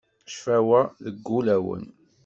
Ccfawa, deg ulawen.